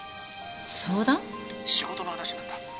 仕事の話なんだ。